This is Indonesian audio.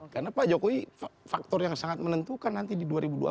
karena pak jokowi faktor yang sangat menentukan nanti di dua ribu dua puluh empat